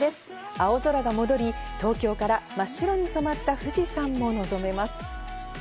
青空が戻り、東京から真っ白に染まった富士山も望めます。